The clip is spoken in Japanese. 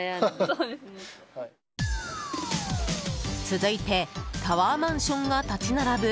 続いてタワーマンションが立ち並ぶ